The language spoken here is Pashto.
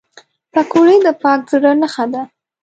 پکورې د پاک زړه نښه ده